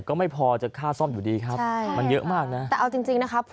ก็ไม่พอจะค่าซ่อมอยู่ดีครับใช่มันเยอะมากนะแต่เอาจริงจริงนะครับ